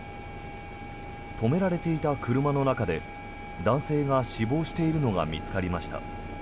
止められていた車の中で男性が死亡しているのが見つかりました。